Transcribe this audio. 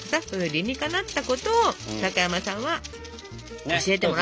理にかなったことを高山さんは教えてもらってたわけ。